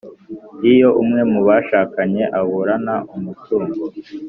Iyo umwe mu bashakanye aburana umutungo